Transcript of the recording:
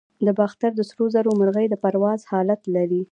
د باختر د سرو زرو مرغۍ د پرواز حالت لري